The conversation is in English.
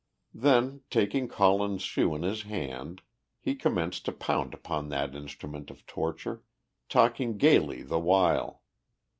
Then, taking Colin's shoe in his hand, he commenced to pound upon that instrument of torture, talking gaily the while.